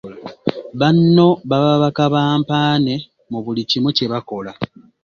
Banno baba ba "Kabampaane" mu buli kimu kye bakola.